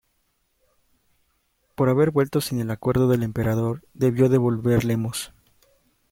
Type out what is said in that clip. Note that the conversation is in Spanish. Por haber vuelto sin el acuerdo del emperador, debió devolver Lemnos.